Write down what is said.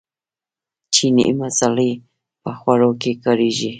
چیني مسالې په خوړو کې کاریږي.